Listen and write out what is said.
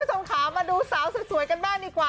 คุณผู้ชมค่ะมาดูสาวสวยกันบ้างดีกว่า